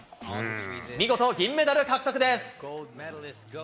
見事、銀メダル獲得です。